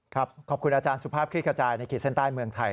ขอบคุณอาจารย์สุภาพคลิกกระจายในขีดเส้นใต้เมืองไทย